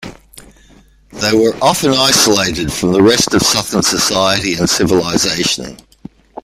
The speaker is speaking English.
They were often isolated from the rest of Southern society and civilization.